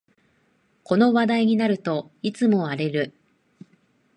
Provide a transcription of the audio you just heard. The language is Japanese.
この話題になるといつも荒れる